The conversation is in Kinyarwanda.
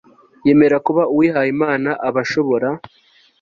yemerera kuba uwihaye imana aba ashobora